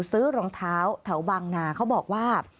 รองเท้าแถวบางนาเขาบอกว่า